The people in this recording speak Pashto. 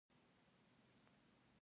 مخکې مو سقط کړی دی؟